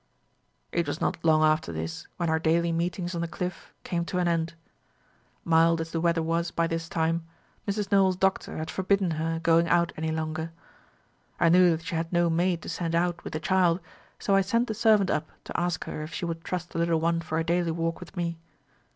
"It was not long after this when our daily meetings on the cliff came to an end. Mild as the weather was by this time, Mrs. Nowell's doctor had forbidden her going out any longer. I knew that she had no maid to send out with the child, so I sent the servant up to ask her if she would trust the little one for a daily walk with me.